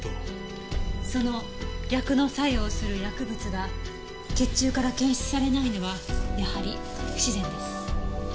その逆の作用をする薬物が血中から検出されないのはやはり不自然です。